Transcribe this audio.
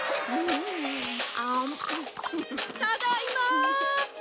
ただいま！